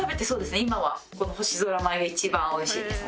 今はこの星空舞が一番美味しいですね。